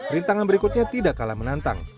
rintangan berikutnya tidak kalah menantang